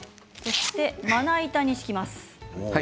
まな板に敷きます。